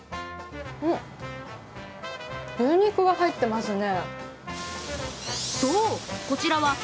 牛肉が入っていますね。